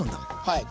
はい。